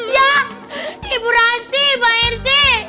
ya ibu ranti pak irti